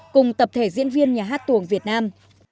cùng tập thể diễn viên nhà hát tuồng việt nam